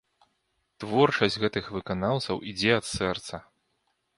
Творчасць гэтых выканаўцаў ідзе ад сэрца.